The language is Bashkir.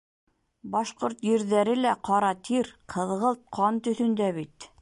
Башҡорт ерҙәре лә ҡара тир, ҡыҙғылт ҡан төҫөндә бит.